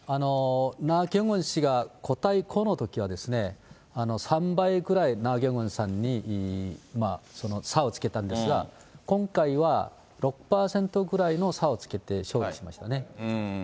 ナ・ギョンウォン氏が５対５のときは、３倍くらいナ・ギョンウォンさんに差をつけたんですが、今回は６％ぐらいの差をつけて勝利しましたね。